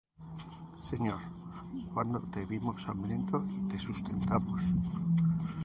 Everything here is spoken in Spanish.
Señor, ¿cuándo te vimos hambriento, y te sustentamos?